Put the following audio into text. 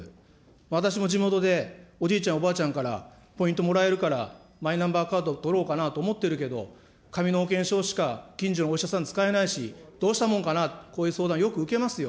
私も地元で、おじいちゃん、おばあちゃんから、ポイントもらえるから、マイナンバーカード取ろうかなと思ってるけど、紙の保険証しか、近所のお医者さん使えないし、どうしたもんかな、こういう相談、よく受けますよ。